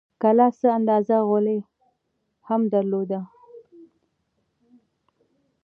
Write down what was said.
کلا څه اندازه غولی هم درلود.